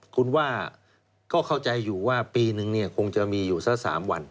คุณว่าก็เข้าใจอยู่ว่าปีนึงเนี่ยคงจะมีอยู่สัก๓วัน